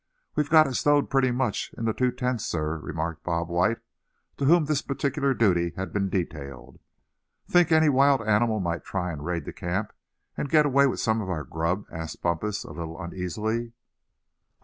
"We've got it stowed pretty much in the two tents, suh," remarked Bob White, to whom this particular duty had been detailed. "Think any wild animal might try and raid the camp, and get away with some of our grub?" asked Bumpus, a little uneasily. "Oh!